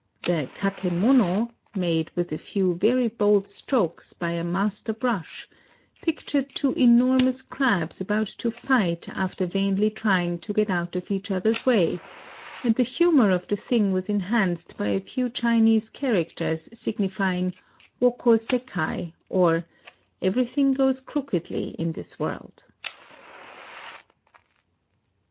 The kakemono — made with a few very bold strokes by a master IN OSAKA 179 brush — pictured two enormous crabs about to fight after vainly trying to get out of each other's way ;— and the humor of the thing was enhanced by a few Chinese characters signifying, WdJco sekai, or, " Everything goes crookedly in this world."